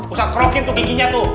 ustadz ngerokin tuh giginya tuh